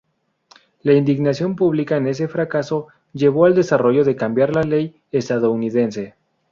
La indignación pública en ese fracaso llevó al desarrollo de cambiar la ley estadounidense.